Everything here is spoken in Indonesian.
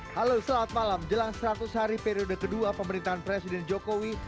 halo selamat malam jelang seratus hari periode kedua pemerintahan presiden jokowi